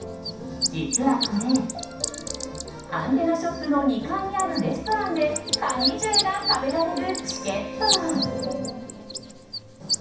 実はこれ、アンテナショップの２階にあるレストランで蟹重が食べられるチケット。